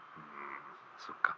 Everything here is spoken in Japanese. そっか。